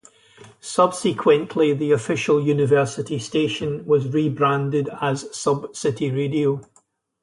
Subsequently, the official university station was rebranded as Subcity Radio.